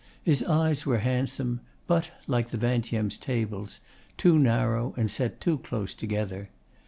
His eyes were handsome, but like the Vingtieme's tables too narrow and set too close together.